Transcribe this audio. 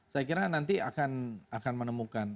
saya kira nanti akan menemukan